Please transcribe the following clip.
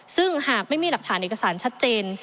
ซึ่งหากไม่มีหลักฐานเอกสารชัดเจน